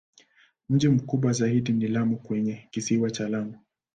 Mji mkubwa zaidi ni Lamu kwenye Kisiwa cha Lamu.